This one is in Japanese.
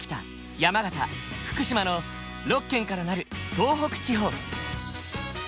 山形福島の６県から成る東北地方。